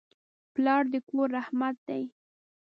پلار د کور رحمت دی.